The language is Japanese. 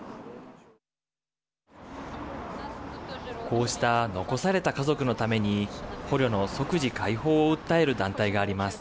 こうした残された家族のために捕虜の即時解放を訴える団体があります。